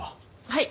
はい。